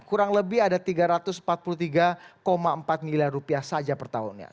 kurang lebih ada tiga ratus empat puluh tiga empat miliar rupiah saja per tahunnya